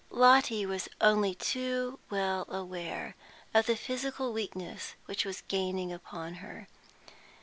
Lotty was only too well aware of the physical weakness which was gaining upon her.